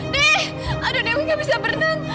nih aduh dewi gak bisa berenang